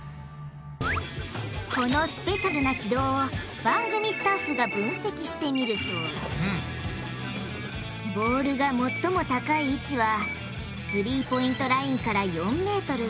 このスペシャルな軌道を番組スタッフが分析してみるとボールが最も高い位置はスリーポイントラインから４ｍ。